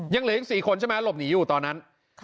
ยังเหลืออีก๔คนใช่ไหมหลบหนีอยู่ตอนนั้น